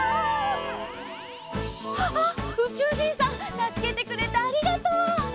「あうちゅうじんさんたすけてくれてありがとう」